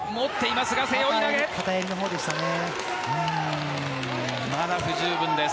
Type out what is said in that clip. まだ不十分です。